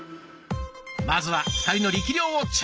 まずは２人の力量をチェック！